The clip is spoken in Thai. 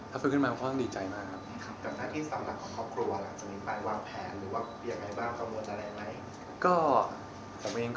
คำถามที่สำหรับของครอบครัวหลังจากนี้ไปวางแผนหรือว่าอย่างไรบ้างข้อมูลอะไรอย่างไร